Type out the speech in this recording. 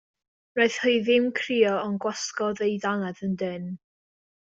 Wnaeth hi ddim crio, ond gwasgodd ei dannedd yn dynn.